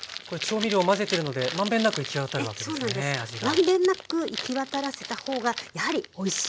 満遍なく行き渡らせた方がやはりおいしい。